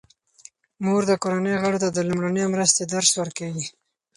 مور د کورنۍ غړو ته د لومړنۍ مرستې درس ورکوي.